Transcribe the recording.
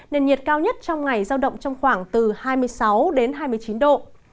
nền nhiệt cao nhất trong ngày giao động trong khoảng từ hai mươi sáu đến hai mươi chín độ